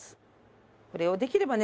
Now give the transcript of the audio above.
これをできればね